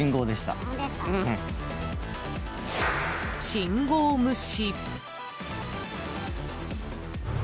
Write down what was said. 信号無視。